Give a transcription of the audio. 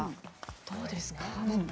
どうですか。